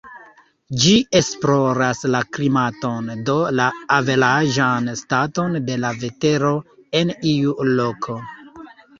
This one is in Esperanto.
Ĝi esploras la klimaton, do la averaĝan staton de la vetero en iu loko.